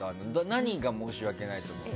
何が申し訳ないなと思って？